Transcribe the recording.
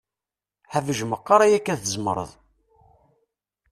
Hbej meqqar ayakka tzemret.